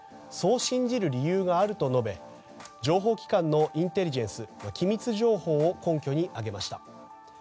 そう信じる理由があると述べ情報機関のインテリジェンス機密情報を根拠に挙げました。